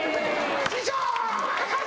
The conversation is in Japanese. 師匠！